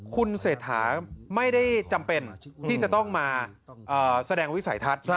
คุณเศรษฐาไม่ได้จำเป็นที่จะต้องมาแสดงวิสัยทัศน์